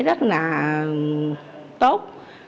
rất là tốt